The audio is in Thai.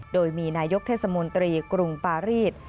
โดยมีนายกเทศมนตรีกรุงปารีส